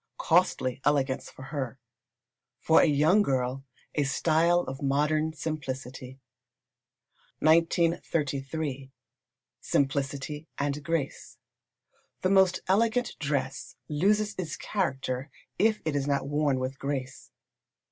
Costly elegance for her for a young girl, a style of modern simplicity. 1933. Simplicity and Grace. The most elegant dress loses its character if it is not worn with grace.